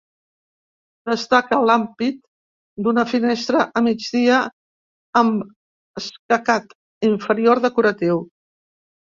Destaca l'ampit d'una finestra a migdia, amb escacat inferior decoratiu.